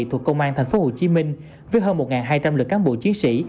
thuộc công an tp hcm với hơn một hai trăm linh lượt cán bộ chiến sĩ